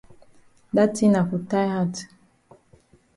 Da tin na for tie hat.